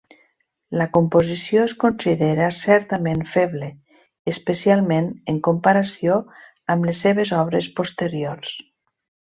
La composició es considera certament feble, especialment en comparació amb les seves obres posteriors.